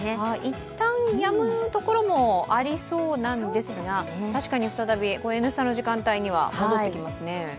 いったんやむところもありそうなんですが、確かに再び、「Ｎスタ」の時間帯には戻ってきますね。